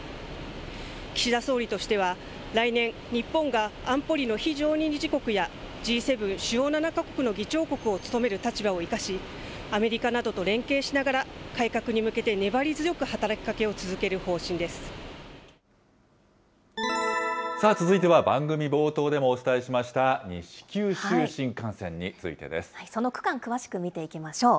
岸田総理としては、来年、日本が安保理の非常任理事国や、Ｇ７・主要７か国の議長国を務める立場を生かし、アメリカなどと連携しながら改革に向けて粘り強く働きかけを続け続いては、番組冒頭でもお伝えしました、その区間、詳しく見ていきましょう。